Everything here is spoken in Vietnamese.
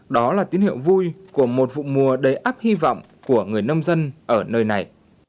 đó là tín hiệu vui của một vụ mùa đầy áp hy vọng của người nông dân ở nơi này